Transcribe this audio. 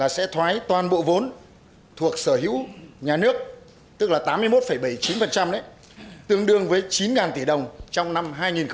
sẽ thoái toàn bộ vốn thuộc sở hữu nhà nước tức là tám mươi một bảy mươi chín tương đương với chín tỷ đồng trong năm hai nghìn một mươi chín